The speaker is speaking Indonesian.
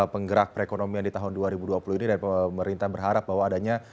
penggerak perekonomian di tahun dua ribu dua puluh ini dan pemerintah berharap bahwa adanya